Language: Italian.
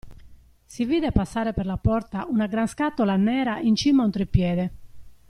Si vide passare per la porta una gran scatola nera in cima a un treppiede.